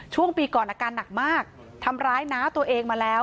ช่วงปีก่อนอาการหนักมากทำร้ายน้าตัวเองมาแล้ว